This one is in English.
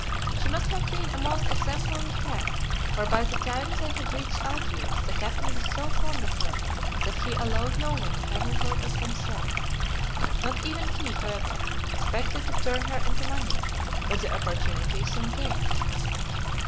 She must have been a most exemplary cat, for by the time they had reached Algiers, the captain was so fond of her that he allowed no one to handle her but himself. Not even he, however, expected to turn her into money; but the opportunity soon came.